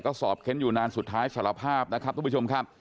ก็สอบเค้นอยู่นานสุดท้ายสารภาพนะครับทุกผู้ชมครับ